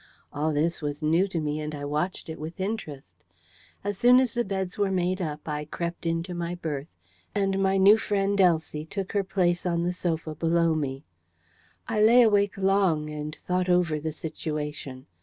All this was new to me, and I watched it with interest. As soon as the beds were made up, I crept into my berth, and my new friend Elsie took her place on the sofa below me. I lay awake long and thought over the situation.